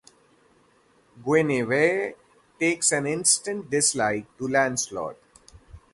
Guinevere takes an instant dislike to Lancelot.